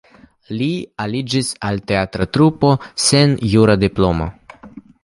Li aliĝis al teatra trupo sen jura diplomo.